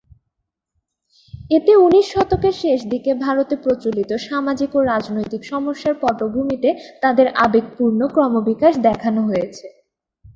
এতে উনিশ শতকের শেষদিকে ভারতে প্রচলিত সামাজিক ও রাজনৈতিক সমস্যার পটভূমিতে তাদের আবেগপূর্ণ ক্রমবিকাশ দেখানো হয়েছে।